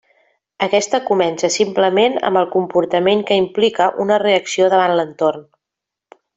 Aquesta comença simplement amb el comportament, que implica una reacció davant l'entorn.